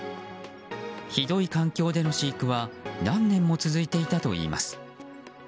ひどい環境での飼育は何年も続いていたといいます。